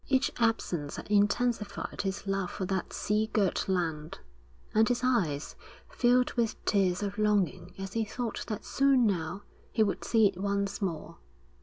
Each absence had intensified his love for that sea girt land, and his eyes filled with tears of longing as he thought that soon now he would see it once more.